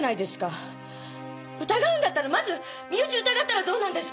疑うんだったらまず身内疑ったらどうなんですか！？